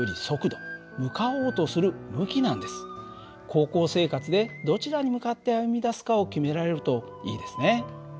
高校生活でどちらに向かって歩み出すかを決められるといいですね。